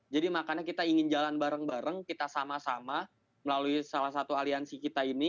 jadi makanya kita ingin jalan bareng bareng kita sama sama melalui salah satu aliansi kita ini